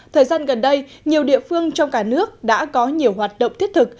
thời gian gần đây nhiều địa phương trong cả nước đã có nhiều hoạt động thiết thực